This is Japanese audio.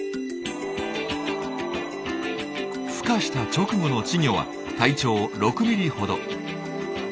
ふ化した直後の稚魚は体長６ミリほど。